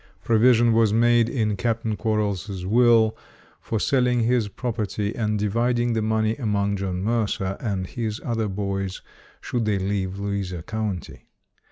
Provision was made in Captain Quarrels's will for selling his property and dividing the money among John Mercer and his other boys, should they leave Louisa County.